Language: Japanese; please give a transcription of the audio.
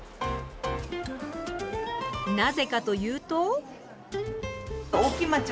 なぜかというと。